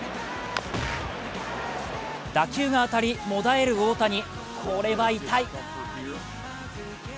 打球が当たり、もだえる大谷、これは痛い。